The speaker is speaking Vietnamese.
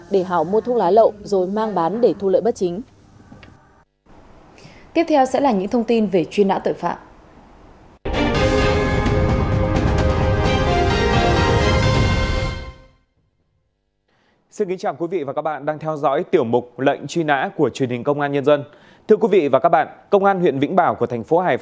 để hảo mua thuốc lá lậu rồi mang bán để thu lợi bất chính